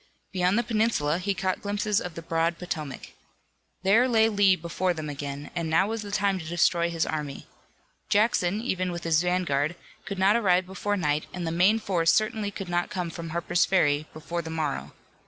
Beyond the peninsula he caught glimpses of the broad Potomac. There lay Lee before them again, and now was the time to destroy his army. Jackson, even with his vanguard, could not arrive before night, and the main force certainly could not come from Harper's Ferry before the morrow.